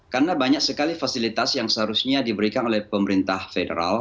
karena banyak sekali fasilitas yang seharusnya diberikan oleh pemerintah federal